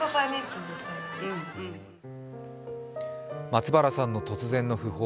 松原さんの突然の訃報